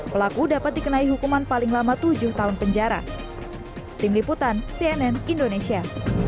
pelaku dapat dikenai hukuman paling lama tujuh tahun penjara